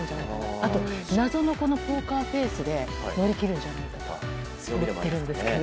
あと、謎のポーカーフェースで乗り切るんじゃないかと思ってるんですけど。